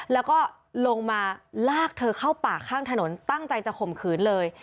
แล้วก็ลงมาลากเธอเข้าป่าข้างถนนตั้งใจจะข่มขืนเลย